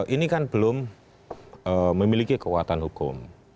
ini kan belum memiliki kekuatan hukum